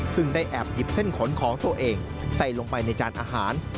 ซึ่งได้แอบหยิบเส้นขนของตัวเองใส่ลงไปในจานอาหาร